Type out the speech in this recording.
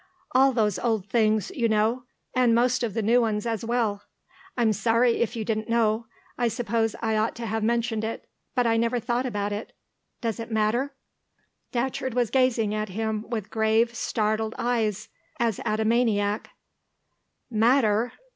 "All those old things, you know. And most of the new ones as well. I'm sorry if you didn't know; I suppose I ought to have mentioned it, but I never thought about it. Does it matter?" Datcherd was gazing at him with grave, startled eyes, as at a maniac. "Matter?